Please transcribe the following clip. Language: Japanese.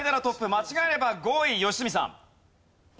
間違えれば５位良純さん。